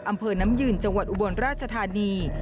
อำเภอน้ำยืนจังหวัดอุบลราชธานี